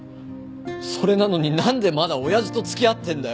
それなのになんでまだ親父と付き合ってんだよ